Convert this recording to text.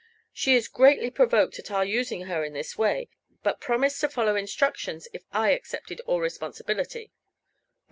She is greatly provoked at our using her in this way, but promised to follow instructions if I accepted all responsibility."